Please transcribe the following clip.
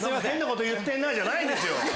変なこと言ってんな！じゃないんですよ！